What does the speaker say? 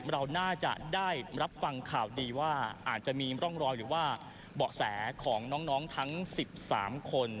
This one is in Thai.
เราน่าจะได้รับฟังข่าวดีว่าอาจจะมีร่องรอยหรือว่าเบาะแสของน้องทั้ง๑๓คน